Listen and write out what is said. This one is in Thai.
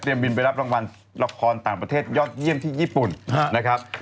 บินไปรับรางวัลละครต่างประเทศยอดเยี่ยมที่ญี่ปุ่นนะครับ